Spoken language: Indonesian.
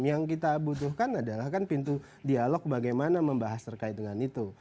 yang kita butuhkan adalah kan pintu dialog bagaimana membahas terkait dengan itu